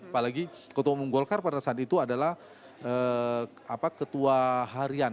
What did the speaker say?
apalagi ketua umum golkar pada saat itu adalah ketua harian